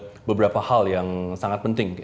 ada beberapa hal yang sangat penting